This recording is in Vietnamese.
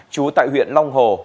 chú tại huyện long hồ